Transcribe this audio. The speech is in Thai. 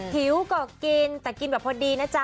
หิวก็กินแต่กินแบบพอดีนะจ๊